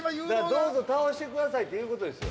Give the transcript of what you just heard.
どうぞ倒してくださいっていう事ですよ。